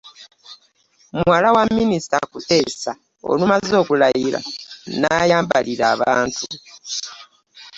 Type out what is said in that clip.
Muwala wa Minisita Kuteesa olumaze okulayira n’ayambalira abantu